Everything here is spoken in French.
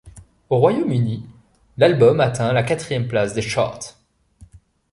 Au Royaume-Uni, l'album atteint la quatrième place des charts.